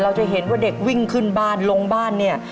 จะเห็นว่าเด็กวิ่งขึ้นบ้านลงบ้านเนี่ย